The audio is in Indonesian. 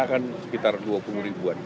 indonesia arena kan sekitar dua puluh ribuan